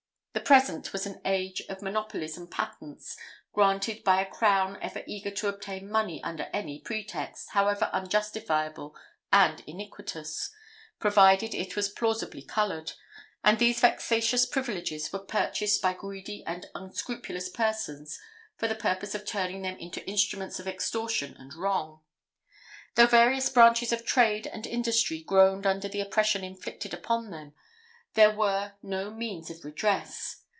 The present was an age of monopolies and patents, granted by a crown ever eager to obtain money under any pretext, however unjustifiable and iniquitous, provided it was plausibly coloured; and these vexatious privileges were purchased by greedy and unscrupulous persons for the purpose of turning them into instruments of extortion and wrong. Though various branches of trade and industry groaned under the oppression inflicted upon them, there were no means of redress.